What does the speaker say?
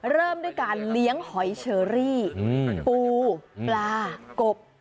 เริ่มด้วยการเลี้ยงหอยเชอรี่ปูปลากบ